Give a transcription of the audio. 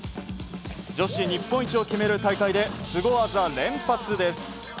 女子日本一を決める大会でスゴ技連発です。